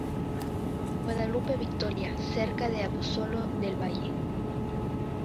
Guadalupe Victoria, cerca de Abasolo del Valle